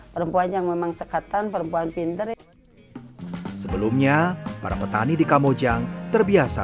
perempuan yang memang cekatan perempuan pinter sebelumnya para petani di kamojang terbiasa